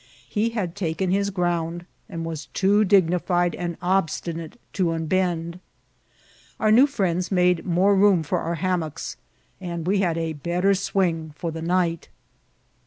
He had taken his ground, and was too dignified and obstinate to unbend. Our new firiends made more room for our hammocks, and we had a better swing for the night.